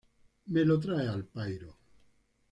Me la trae al pairo